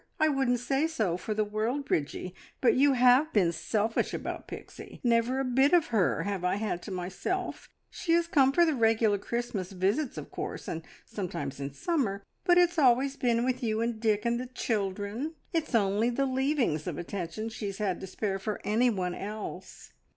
I wouldn't say so for the world, Bridgie, but you have been selfish about Pixie! Never a bit of her have I had to myself; she has come for the regular Christmas visits, of course, and sometimes in summer, but it's always been with you and Dick and the children; it's only the leavings of attention she's had to spare for any one else.